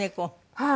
はい。